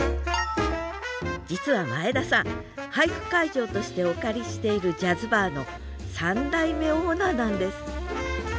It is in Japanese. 実は前田さん俳句会場としてお借りしているジャズバーの３代目オーナーなんです